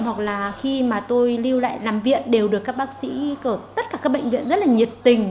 hoặc là khi mà tôi lưu lại nằm viện đều được các bác sĩ ở tất cả các bệnh viện rất là nhiệt tình